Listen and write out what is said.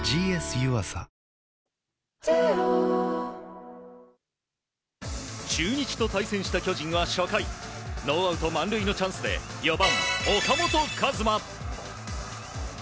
新しくなった中日と対戦した巨人は初回ノーアウト満塁のチャンスで４番、岡本和真。